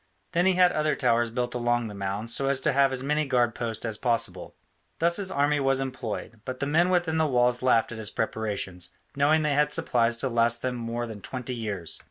Then he had other towers built along the mound, so as to have as many guard posts as possible. Thus his army was employed, but the men within the walls laughed at his preparations, knowing they had supplies to last them more than twenty years.